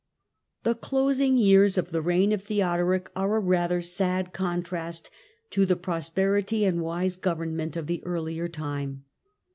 The closing years of the reign of Theodoric are a Last year ather sad contrast to the prosperity and wise govern doric lent of the earlier time.